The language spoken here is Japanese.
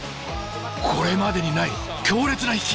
これまでにない強烈な引き！